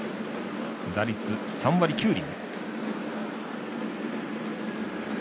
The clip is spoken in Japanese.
打率３割９厘。